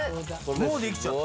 もうできちゃった。